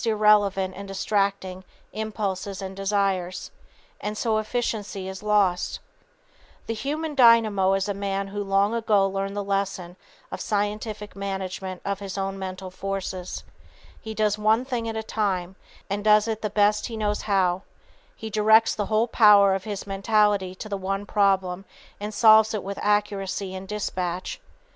[Sidenote: Scientific Management of Self] The "human dynamo" is a man who long ago learned the lesson of scientific management of his own mental forces. He does one thing at a time, and does it the best he knows how. He directs the whole power of his mentality to the one problem and solves it with accuracy and dispatch.